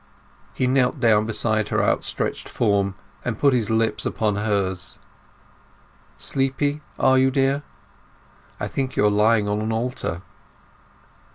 He knelt down beside her outstretched form, and put his lips upon hers. "Sleepy are you, dear? I think you are lying on an altar."